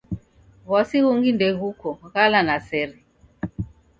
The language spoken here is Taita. W'uasi ghungi ndeghuko ghala na sere.